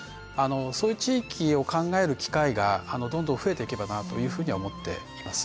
そういう地域を考える機会がどんどん増えていけばなというふうに思っています。